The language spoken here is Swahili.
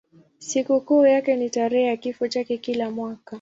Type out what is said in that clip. Sikukuu yake ni tarehe ya kifo chake kila mwaka.